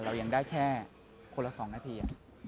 เรายังได้แค่คนละ๒นาที